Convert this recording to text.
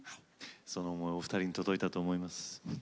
その思いお二人に届いたと思います。